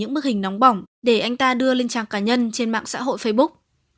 những bức hình nóng bỏng để anh ta đưa lên trang cá nhân trên mạng xã hội facebook